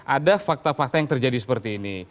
ada fakta fakta yang terjadi seperti ini